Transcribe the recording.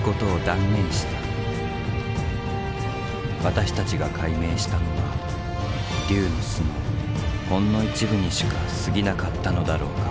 私たちが解明したのは龍の巣のほんの一部にしかすぎなかったのだろうか。